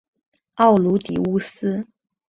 奥卢狄乌斯。